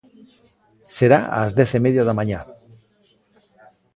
Será ás dez e media da mañá.